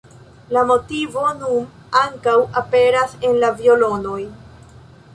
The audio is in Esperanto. La motivo nun ankaŭ aperas en la violonoj.